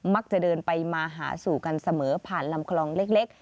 มักจะเดินไปมาหาสู่กันเสมอผ่านลำคลองเล็ก